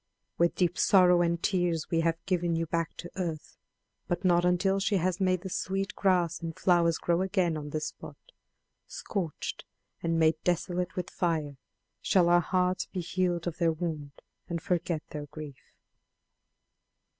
With deep sorrow and tears we have given you back to Earth; but not until she has made the sweet grass and flowers grow again on this spot, scorched and made desolate with fire, shall our hearts be healed of their wound and forget their grief."